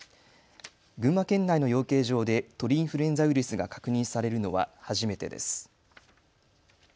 群馬県内の養鶏場で鳥インフルエンザウイルスが確認されるのは初めてです。